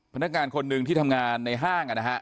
พนักงานคนหนึ่งที่ทำงานในห้าง